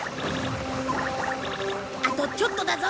あとちょっとだぞ。